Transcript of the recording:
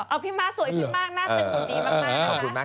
เอาพี่มาสวยซิมากหน้าตื่นคุณดีมาก